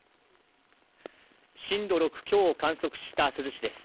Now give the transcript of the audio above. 震度６強を観測した珠洲市です。